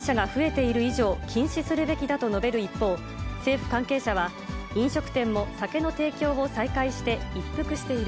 総理周辺は、新規感染者が増えている以上、禁止するべきだと述べる一方、政府関係者は、飲食店も酒の提供を再開して一服している。